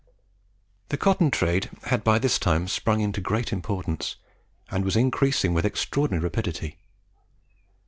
The Cotton Trade had by this time sprung into great importance, and was increasing with extraordinary rapidity.